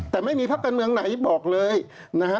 แต่ไม่มีพักการเมืองไหนบอกเลยนะฮะ